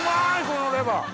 このレバー！